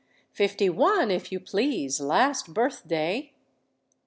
"Fifty one, if you please, last birth day."